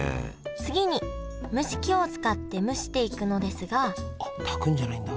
次に蒸し器を使って蒸していくのですがあ炊くんじゃないんだ？